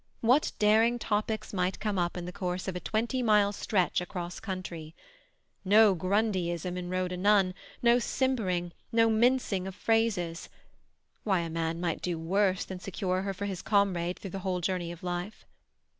What daring topics might come up in the course of a twenty mile stretch across country! No Grundyism in Rhoda Nunn; no simpering, no mincing of phrases. Why, a man might do worse than secure her for his comrade through the whole journey of life.